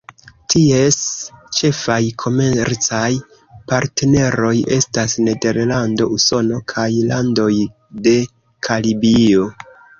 Ties ĉefaj komercaj partneroj estas Nederlando, Usono kaj landoj de Karibio.